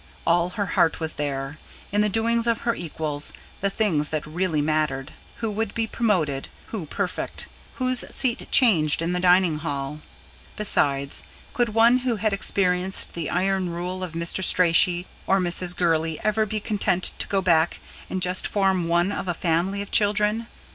All her heart was there: in the doings of her equals, the things that really mattered who would be promoted, who prefect, whose seat changed in the dining hall. Besides, could one who had experienced the iron rule of Mr. Strachey, or Mrs. Gurley, ever be content to go back and just form one of a family of children?